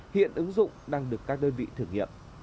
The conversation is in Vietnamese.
hiện ứng dụng đang được các đơn vị thử nghiệm